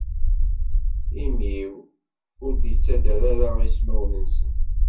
Imi-w ur d-ittader ara ismawen-nsen.